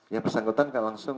ya persangkutan kan langsung